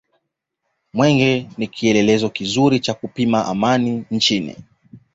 mwenge ni kielelezo kizuri cha kupima amani nchini